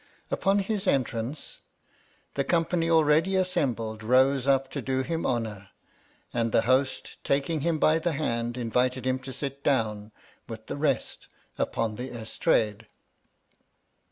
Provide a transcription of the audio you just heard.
Upon his en trance, the company already assembled rose up to do him honour, and the host taking him by the hand invited him to sit down, with the rest upon the estrade.